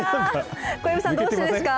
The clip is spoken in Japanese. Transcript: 小籔さん、どうしてですか？